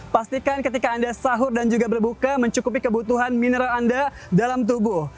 pastikan ketika anda sahur dan juga berbuka mencukupi kebutuhan mineral anda dalam tubuh